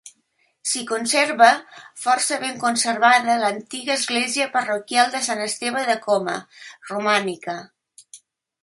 S'hi conserva, força ben conservada, l'antiga església parroquial de Sant Esteve de Coma, romànica.